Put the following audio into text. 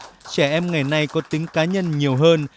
trẻ em ngày nay có tính cá nhân nhiều hơn